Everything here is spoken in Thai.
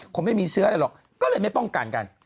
ไม่มีเชื้ออะไรหรอกก็เลยไม่ป้องกันกัน